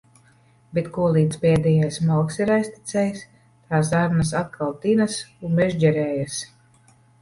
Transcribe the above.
Bet kolīdz pēdējais malks ir aiztecējis, tā zarnas atkal tinas un mežģerējas.